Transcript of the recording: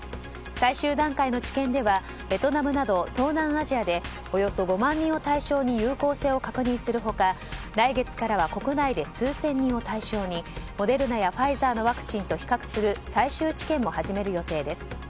最終段階の治験ではベトナムなど東南アジアでおよそ５万人を対象に有効性を確認する他来月からは国内で数千人を対象にモデルナやファイザーのワクチンと比較する最終治験も始める予定です。